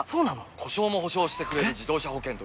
故障も補償してくれる自動車保険といえば？